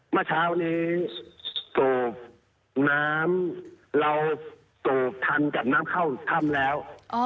เมื่อเช้านี้สูบน้ำเราสูบทันกับน้ำเข้าถ้ำแล้ว